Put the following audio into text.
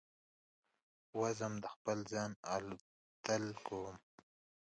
وزم د خپل ځانه الوتل کوم